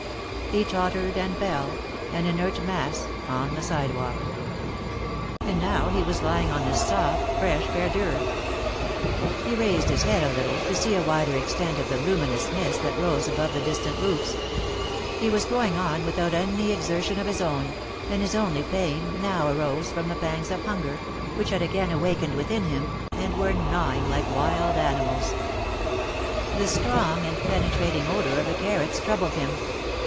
He tottered and fell — an inert mass — on the sidewalk. And now he was lying on this soft, fresh verdure. He raised his head a little to see a wider extent of the THE MARKETS OF PARIS. 27 luminous mist that rose above the distant roofs. He was going on without any exertion of his own, and his only pain now arose from the pangs of hunger, which had again awakened within him, and were gnawing like wild animals. The strong and penetrating odor of the carrots troubled him.